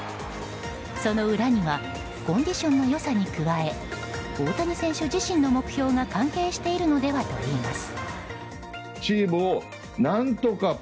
その裏にはコンディションの良さに加え大谷選手自身の目標が関係しているのではといいます。